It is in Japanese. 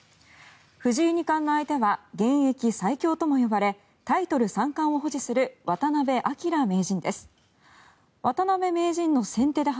藤井２冠の相手は現役最強ともいわれタイトル三冠を保持する渡辺明名人です。